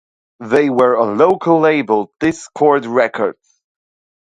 They were on local label Dischord Records.